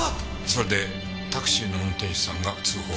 それでタクシーの運転手さんが通報を。